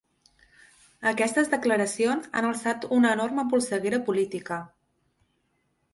Aquestes declaracions han alçat una enorme polseguera política.